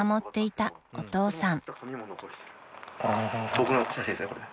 僕の写真ですねこれ。